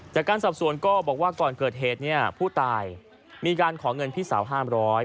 จากการสับสวนก็บอกว่าก่อนเกิดเหตุผู้ตายมีการขอเงินพี่สาวห้ามร้อย